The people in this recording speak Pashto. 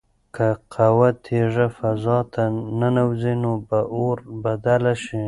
که یوه تیږه فضا ته ننوځي نو په اور بدله شي.